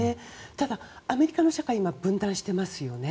ただ、アメリカの社会は今、分断していますよね。